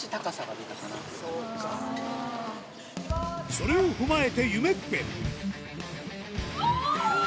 それを踏まえて夢っぺおぉ！